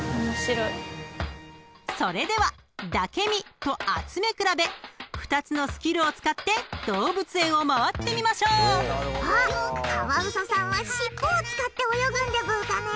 ［それでは「だけ見」と「集め比べ」２つのスキルを使って動物園を回ってみましょう］あっカワウソさんは尻尾を使って泳ぐんでブーカね。